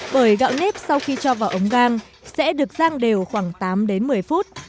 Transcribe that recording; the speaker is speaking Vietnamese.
bởi gạo nếp sau khi cho vào ống gan sẽ được rang đều khoảng tám đến một mươi phút